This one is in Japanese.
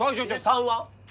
３は？